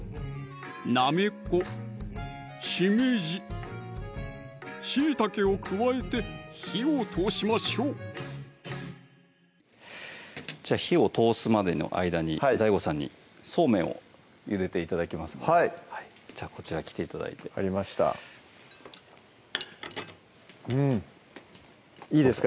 なめこ・しめじ・しいたけを加えて火を通しましょうじゃあ火を通すまでの間にＤＡＩＧＯさんにそうめんをゆでて頂きますのでこちら来て頂いて分かりましたうんいいですか？